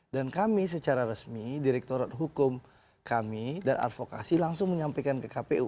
dan kami secara resmi direktorat hukum kami dan advokasi langsung menyampaikan ke kpu